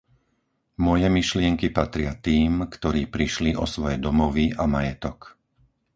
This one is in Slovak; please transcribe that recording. Moje myšlienky patria tým, ktorí prišli o svoje domovy a majetok.